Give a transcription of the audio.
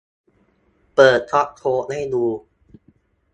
เปิดซอร์สโค้ดให้ดู